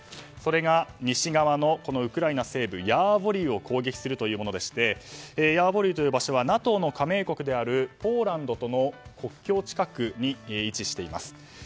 それが西側のウクライナ西部ヤーヴォリウを攻撃するというものでヤーヴォリウという場所はＮＡＴＯの加盟国であるポーランドとの国境近くに位置しています。